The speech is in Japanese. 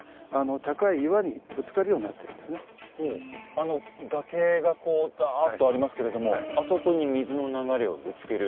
あの崖がこうだっとありますけれどもあそこに水の流れをぶつける。